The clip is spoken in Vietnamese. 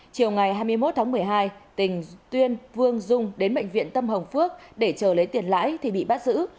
chiều ngày hai mươi một tháng một mươi hai tình tuyên vương dung đến bệnh viện tâm hồng phước để chờ lấy tiền lãi thì bị bắt giữ